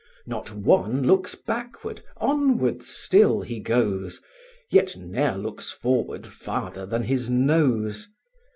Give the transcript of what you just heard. Not one looks backward, onward still he goes, Yet ne'er looks forward farther than his nose.